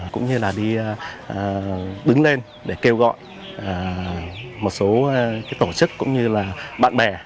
cũng như là đi đứng lên để kêu gọi một số tổ chức cũng như là bạn bè